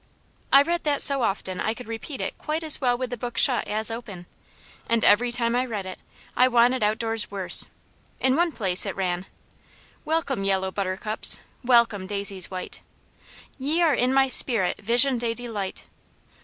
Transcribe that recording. I read that so often I could repeat it quite as well with the book shut as open, and every time I read it, I wanted outdoors worse. In one place it ran: "Welcome, yellow buttercups, welcome daisies white, Ye are in my spirit visioned a delight.